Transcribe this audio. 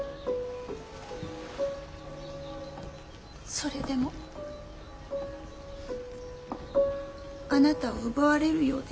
それでもあなたを奪われるようで